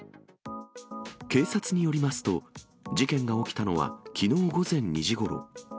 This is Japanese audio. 警察によりますと、事件が起きたのはきのう午前２時ごろ。